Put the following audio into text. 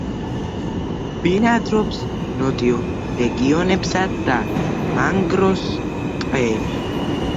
ბინადრობს ნოტიო რეგიონებსა და მანგროს ტყეებში.